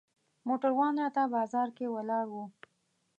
موټروان راته بازار کې ولاړ و.